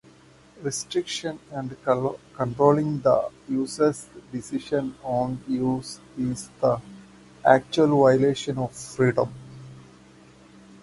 Restricting and controlling the user's decisions on use is the actual violation of freedom.